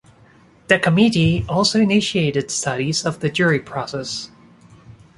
The committee also initiated studies of the jury process.